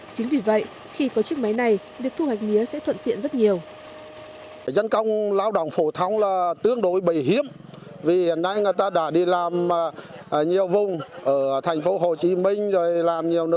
chính vì vậy khi có chiếc máy này việc thu hoạch mía sẽ thuận tiện rất nhiều